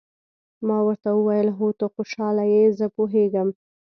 ما ورته وویل: هو، ته خوشاله یې، زه پوهېږم.